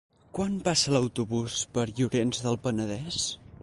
Quan passa l'autobús per Llorenç del Penedès?